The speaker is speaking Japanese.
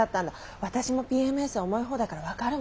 私もＰＭＳ重い方だから分かるもん。